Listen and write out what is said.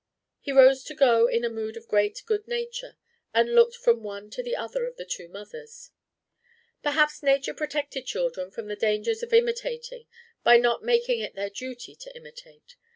He rose to go in a mood of great good nature, and looked from one to the other of the two mothers: "Perhaps Nature protected children from the danger of imitating by not making it their duty to imitate.